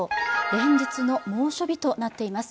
連日の猛暑日となっています。